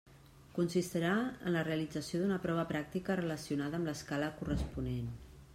Consistirà en la realització d'una prova pràctica relacionada amb l'escala corresponent.